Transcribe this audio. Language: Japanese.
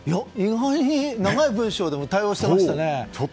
意外に長い文章でも対応していましたね。